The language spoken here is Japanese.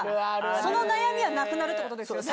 その悩みはなくなるってことですよね。